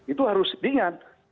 itu harus diingat